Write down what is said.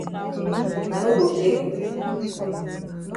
I no go blame yi.